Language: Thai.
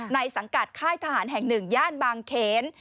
สังกัดค่ายทหารแห่ง๑ย่านบางเขน